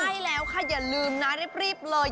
ใช่แล้วค่ะอย่าลืมนะรีบเลย